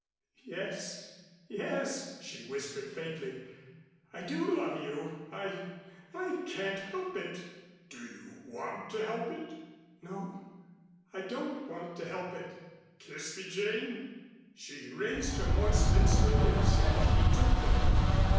"Yes yes," she whispered faintly. "I do love you. I I can't help it." "Do you want to help it?" "No. I don't want to help it." "Kiss me, Jane." She raised her moist lips to his and he took them.